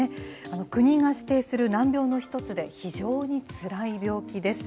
国が指定する難病の一つで、非常につらい病気です。